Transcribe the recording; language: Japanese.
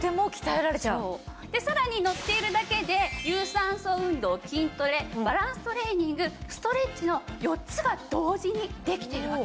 さらに乗っているだけで有酸素運動筋トレバランストレーニングストレッチの４つが同時にできてるわけです。